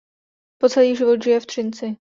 Po celý život žije v Třinci.